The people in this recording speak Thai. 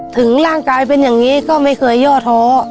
ถึงร่างกายเป็นอย่างนี้ก็ไม่เคยย่อท้อ